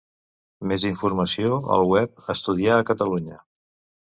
Més informació al web Estudiar a Catalunya.